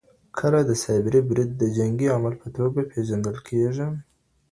کله سایبري برید د جنګي عمل په توګه پیژندل کیږي؟